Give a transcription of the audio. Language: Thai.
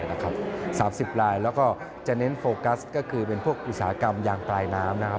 ๓๐ลายแล้วก็จะเน้นโฟกัสก็คือเป็นพวกอุตสาหกรรมยางปลายน้ำนะครับ